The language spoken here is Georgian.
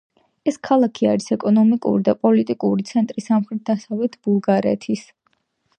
ეს ქალაქი არის ეკონომიკური და პოლიტიკური ცენტრი სამხრეთ-დასავლეთ ბულგარეთის.